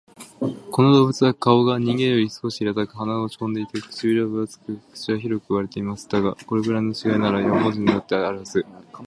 この動物は顔が人間より少し平たく、鼻は落ち込んでいて、唇が厚く、口は広く割れています。だが、これくらいの違いなら、野蛮人にだってあるはず